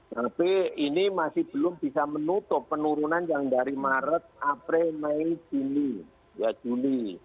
tapi ini masih belum bisa menutup penurunan yang dari maret april mei juni ya juni